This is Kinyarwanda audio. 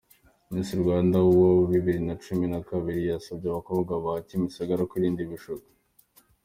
Miss Rwanda wa bibiri nacumi nakabiri yasabye abakobwa ba Kimisagara kwirinda ibishuko